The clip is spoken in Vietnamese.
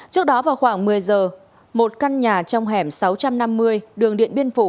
trước đó vào khoảng một mươi giờ một căn nhà trong hẻm sáu trăm năm mươi đường điện biên phủ